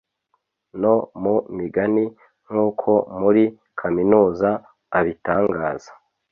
no mu migani Nkuko muri kaminuza abitangaza